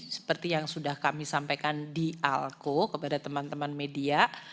seperti yang sudah kami sampaikan di alko kepada teman teman media